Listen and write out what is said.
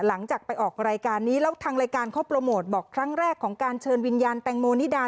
หลังจากไปออกรายการนี้แล้วทางรายการเขาโปรโมทบอกครั้งแรกของการเชิญวิญญาณแตงโมนิดา